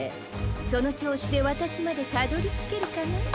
そのちょうしでわたしまでたどりつけるかな？